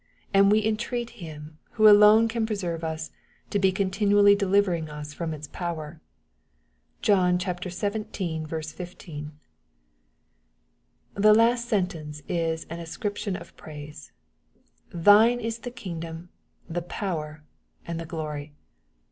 And we entreat Him, who alone can preserve us, to be continually delivering us from its power. (John xvii. 15.) The last sentence is an ascription of praise :'^ thine is the kingdom, the power, and the glory.''